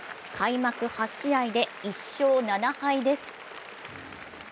開幕８試合で、１勝７敗です。